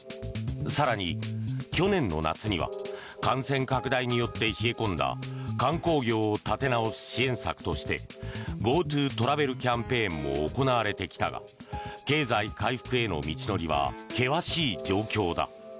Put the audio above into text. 更に、去年の夏には感染拡大によって冷え込んだ観光業を立て直す支援策としてＧｏＴｏトラベルキャンペーンも行われてきたが経済回復への道のりは険しい状況だ。